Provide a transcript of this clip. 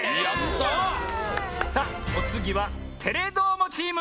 さあおつぎは「テレどーも！」チーム！